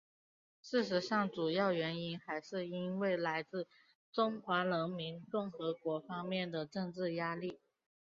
事实上主要原因还是因为来自中华人民共和国方面的政治压力。